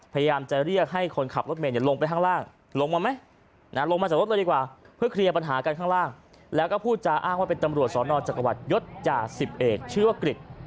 เป็นตำรวจสนจักรวรรดิ์ยศจสิบเอกชื่อว่ากริก